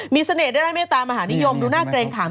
มีเสน่ห์ได้ด้วยในมีตามหนิยมดูน่าเกรงขาว